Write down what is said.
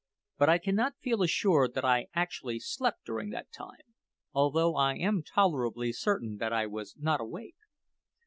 But I cannot feel assured that I actually slept during that time, although I am tolerably certain that I was not awake.